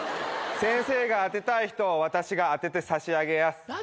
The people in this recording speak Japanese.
先生が当てたい人を私が当てて差し上げやす。